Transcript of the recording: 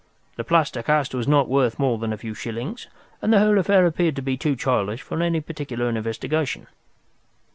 The plaster cast was not worth more than a few shillings, and the whole affair appeared to be too childish for any particular investigation.